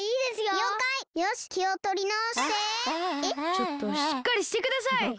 ちょっとしっかりしてください！